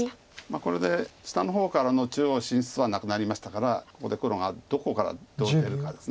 これで下の方からの中央進出はなくなりましたからここで黒がどこからどう出るかです。